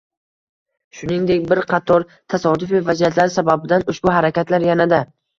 shuningdek, bir qator tasodifiy vaziyatlar sababidan ushbu harakatlar yanada